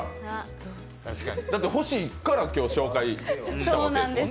だって欲しいから今日紹介したんですもんね。